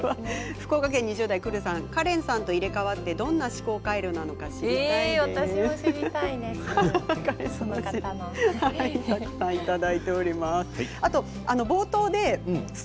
福岡県２０代の方カレンさんと入れ代わってどんな思考回路なのか知りたいということです。